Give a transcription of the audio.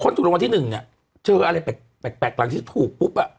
คนถูกรางวัลที่หนึ่งอ่ะเจออะไรแปลกแปลกแปลกหลังที่ถูกปุ๊บอ่ะ